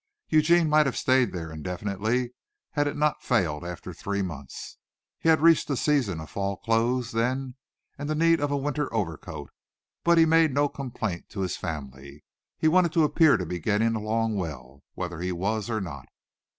Eugene might have stayed there indefinitely had it not failed after three months. He had reached the season of fall clothes then, and the need of a winter overcoat, but he made no complaint to his family. He wanted to appear to be getting along well, whether he was or not.